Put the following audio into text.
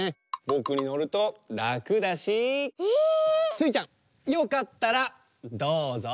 スイちゃんよかったらどうぞ。